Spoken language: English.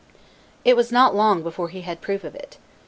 It was not long before he had a proof of it.